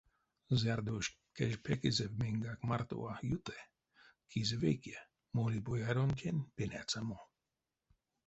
Зярдо уш кежпекезэ меньгак марто а юты — кизэ вейке: моли бояронтень пеняцямо.